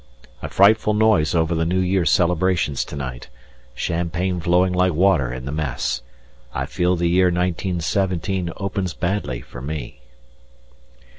A frightful noise over the New Year celebrations to night. Champagne flowing like water in the Mess. I feel the year 1917 opens badly for me.